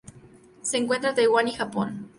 Se encuentra en Taiwán y Japón.